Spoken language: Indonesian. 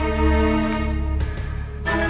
aku mau ke kamar